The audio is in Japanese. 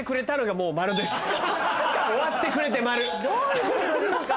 どういうことですか？